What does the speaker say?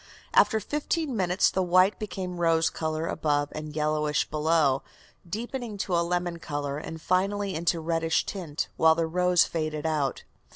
After fifteen minutes the white became rose color above and yellowish below, deepening to lemon color, and finally into reddish tint, while the rose faded out.